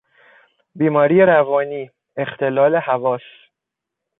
بیماری روانی، اختلال حواس